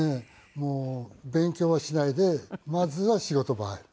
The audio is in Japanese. もう勉強はしないでまずは仕事場へ。